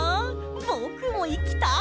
ぼくもいきたい！